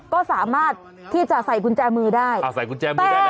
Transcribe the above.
ก็สามารถที่จะใส่กุญแจมือได้อ่าใส่กุญแจมือได้ไหม